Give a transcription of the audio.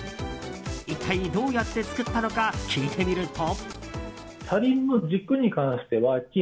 一体どうやって作ったのか聞いてみると。